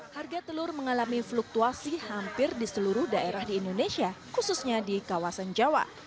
harga telur mengalami fluktuasi hampir di seluruh daerah di indonesia khususnya di kawasan jawa